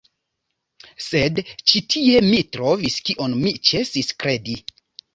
Sed ĉi tie mi trovis, kion mi ĉesis kredi.